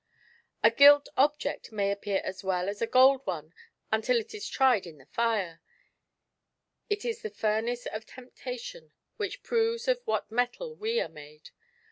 A gilt object may appear as well as a gold one until it is tried in the fire, it is the furnace of temptation which proves of what metal we are made.